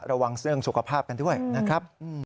ระวังเรื่องสุขภาพกันด้วยนะครับ